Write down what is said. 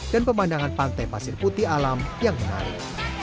dan pemandangan pantai pasir putih alam yang menarik